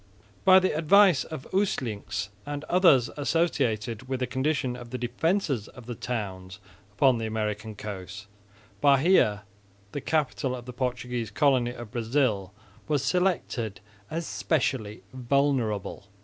By the advice of Usselincx and others acquainted with the condition of the defences of the towns upon the American coast, Bahia, the capital of the Portuguese colony of Brazil, was selected, as specially vulnerable.